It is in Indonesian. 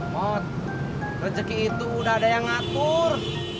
mot rezeki itu udah ada yang ngatur